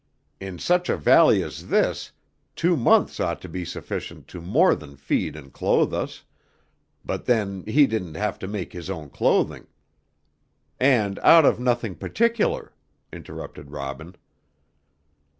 In such a valley as this two months ought to be sufficient to more than feed and clothe us; but then he didn't have to make his own clothing." "And out of nothing particular," interrupted Robin.